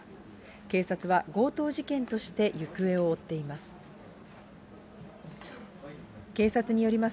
警察は強盗事件として行方を追っています。